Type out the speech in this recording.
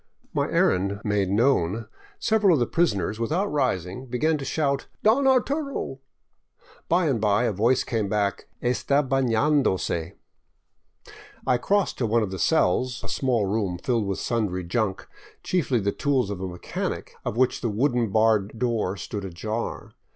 My errand made known, several of the prisoners, without rising, began to shout, " Don Arturo !" By and by a voice came back, " 'Sta baiiandose !" I crossed to one of the cells, a small room filled with sundry junk, chiefly the tools of a mechanic, of which the wooden barred door stood ajar.